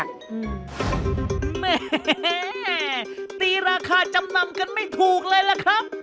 แหมตีราคาจำนำกันไม่ถูกเลยล่ะครับ